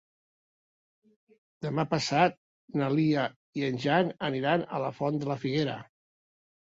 Demà passat na Lia i en Jan aniran a la Font de la Figuera.